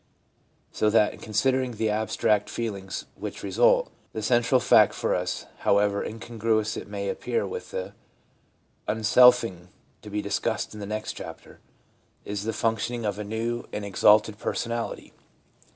So that, in considering the abstract feelings which result, the central fact for us (however incongruous it may appear with the 'unselfing,' to be discussed in the next chapter) 118 FEELING FOLLOWING CONVERSION 119 is the functioning of a new and exalted personality.